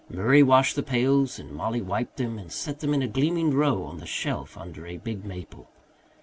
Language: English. Murray washed the pails and Mollie wiped them and set them in a gleaming row on the shelf under a big maple.